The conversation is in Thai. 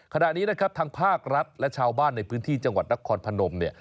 ขณะนี้นะครับทางภาครัฐและชาวบ้านในพื้นที่จังหวัดนครพนมเนี่ย